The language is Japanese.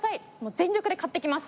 全力で買ってきます！